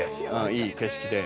「いい景色で」